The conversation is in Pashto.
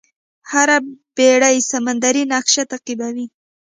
هره بېړۍ سمندري نقشه تعقیبوي.